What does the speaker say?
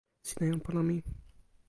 sina jan pona mi.